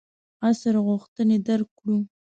عصر غوښتنې درک کړو.